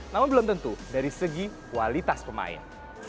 namun belum tentu dari segi kualitas pemain